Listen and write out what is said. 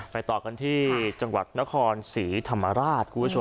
ไปต่อกันที่จังหวัดนครศรีธรรมราช